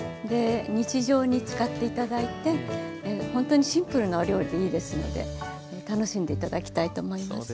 日常に使って頂いてほんとにシンプルなお料理でいいですので楽しんで頂きたいと思います。